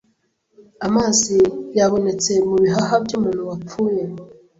Amazi yabonetse mu bihaha by'umuntu wapfuye.